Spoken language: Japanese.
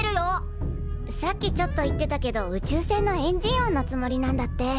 さっきちょっと言ってたけど宇宙船のエンジン音のつもりなんだって。